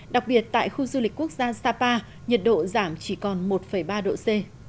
đặc biệt tại khu du lịch quốc gia sapa nhiệt độ giảm chỉ còn một ba độ c